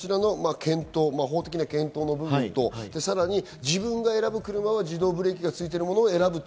法的な検討の部分と、さらに自分が選ぶ車は自動ブレーキがついているものを選ぶと。